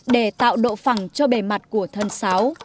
để tạo độ phẳng cho bề mặt của thân sáo